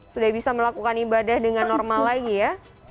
sudah bisa melakukan ibadah dengan normal lagi ya